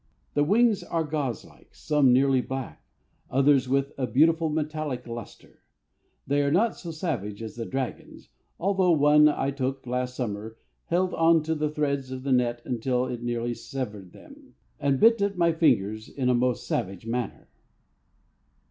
The wings are gauze like, some nearly black, others with a beautiful metallic luster. They are not so savage as the dragons, although one I took last summer held on to the threads of the net until it nearly severed them, and bit at my fingers in a most savage manner.